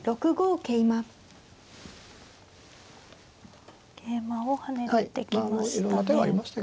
桂馬を跳ねてきましたね。